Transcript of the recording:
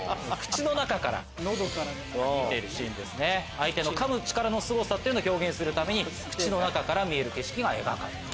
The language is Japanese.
相手の噛む力のすごさを表現するために口の中から見える景色が描かれていると。